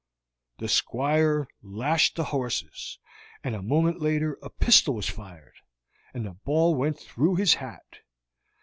The Squire lashed the horses, and a moment later a pistol was fired, and the ball went through his hat.